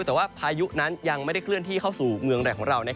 แต่ว่าพายุนั้นยังไม่ได้เคลื่อนที่เข้าสู่เมืองไทยของเรา